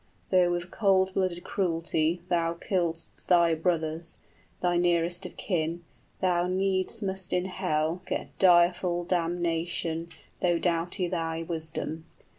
} 30 Though with cold blooded cruelty thou killedst thy brothers, Thy nearest of kin; thou needs must in hell get Direful damnation, though doughty thy wisdom.